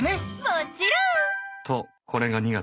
もちろん。